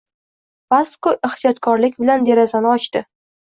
Vasko ehtiyotkorlik bilan derazani ochdi: